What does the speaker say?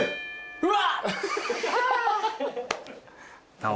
うわ！